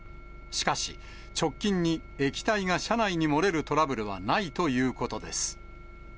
しかし、直近に液体が車内に漏れるトラブルはないということです。